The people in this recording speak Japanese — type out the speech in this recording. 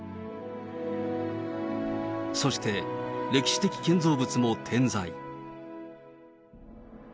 そして、歴史的建造物も点在。